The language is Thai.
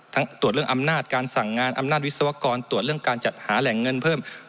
ตรวจเรื่องอำนาจการสั่งงานอำนาจวิศวกรตรวจเรื่องการจัดหาแหล่งเงินเพิ่ม